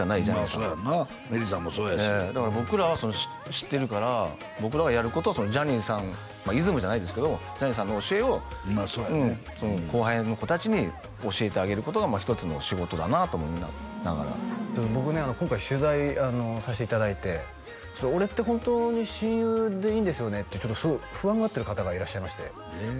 まあそうやろうなメリーさんもそうやしええだから僕らは知ってるから僕らがやることはジャニーさんイズムじゃないですけどジャニーさんの教えを後輩の子達に教えてあげることが一つの仕事だなと思いながら僕ね今回取材さしていただいてちょっと俺って本当に親友でいいんですよね？って不安がってる方がいらっしゃいましてえっ？